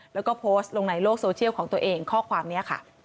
แล้วก็โพสต์ลงในโลกโซเชียลของตัวเองข้อความนี้ค่ะ